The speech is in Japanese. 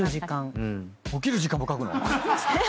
起きる時間も書くの⁉えっ！